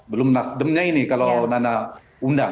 belum nasdemnya ini kalau nana undang